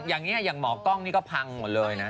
อย่างนี้อย่างหมอกล้องนี่ก็พังหมดเลยนะ